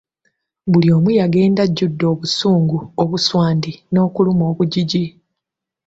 Buli omu yagenda ajjudde obusungu, obuswandi n’okuluma obujiji.